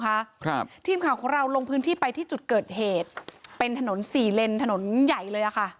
ครับทีมข่าวของเราลงพื้นที่ไปที่จุดเกิดเหตุเป็นถนนสี่เลนถนนใหญ่เลยอ่ะค่ะ